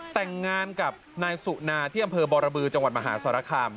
แต่งงานกับนายสุนาที่อำเภอบรบือจังหวัดมหาสารคาม